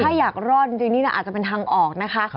ถ้าอยากรอดจริงนี่นะอาจจะเป็นทางออกนะคะ